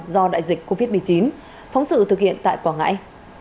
do đại dịch covid một mươi chín phóng sự thực hiện tại quảng ngãi